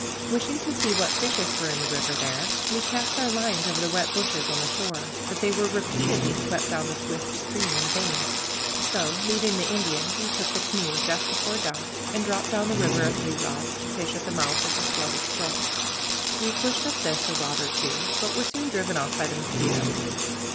Wishing to see what fishes were in the river there, we cast our lines over the wet bushes on the shore, but they were repeatedly swept down the swift stream in vain. So, leaving the Indian, we took the canoe, just before dark, and dropped down the river a few rods to fish at the mouth of a sluggish brook. We pushed up this a rod or two, but were soon driven off by the mosquitoes.